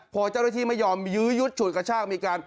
พอเจ้าหน้าที่ไม่ยอมยื้อยุดฉุดกระชากมีการ